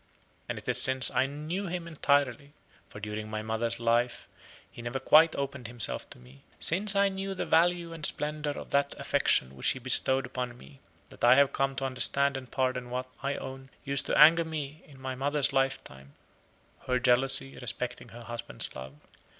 And it is since I knew him entirely for during my mother's life he never quite opened himself to me since I knew the value and splendor of that affection which he bestowed upon me, that I have come to understand and pardon what, I own, used to anger me in my mother's lifetime, her jealousy respecting her husband's love.